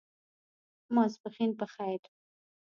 ماسپښېن په خیر !